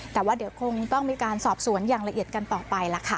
แต่ว่าเดี๋ยวคงต้องมีการสอบสวนอย่างละเอียดกันต่อไปล่ะค่ะ